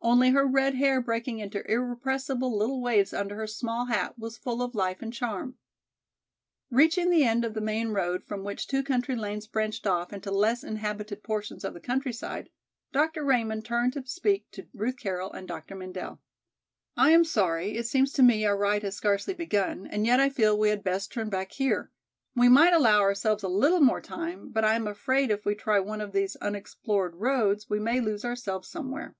Only her red hair breaking into irrepressible little waves under her small hat was full of life and charm. Reaching the end of the main road from which two country lanes branched off into less inhabited portions of the countryside, Dr. Raymond turned to speak to Ruth Carroll and Dr. Mendel. "I am sorry, it seems to me our ride has scarcely begun, and yet I feel we had best turn back here. We might allow ourselves a little more time but I am afraid if we try one of these unexplored roads we may lose ourselves somewhere."